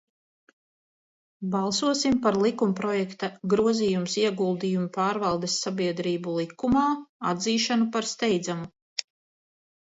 "Balsosim par likumprojekta "Grozījums Ieguldījumu pārvaldes sabiedrību likumā" atzīšanu par steidzamu!"